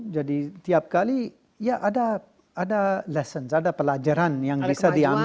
jadi tiap kali ya ada ada lessons ada pelajaran yang bisa diambil